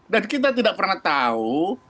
dan kita tidak pernah tahu